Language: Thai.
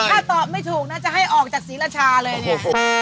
ถ้าตอบไม่ถูกนะจะให้ออกจากศรีราชาเลยเนี่ย